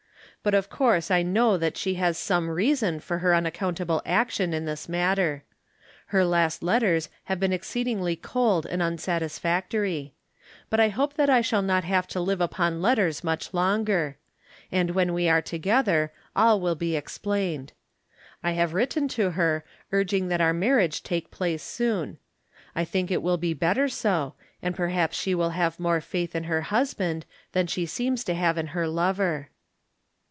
But of course I know that she has some reason for her unaccountable action in this matter. Her last letters bave been exceedingly cold and unsatisfactory. But I hope that I shall not have to hve upon letters much longer ; and when we are together all will be explained. I have written to her urging that our marriage From Bifferent Standpoints. 73 take place soon. I think it will be better so, and perhaps she will have more faith in her husband than she seems to have in her lover.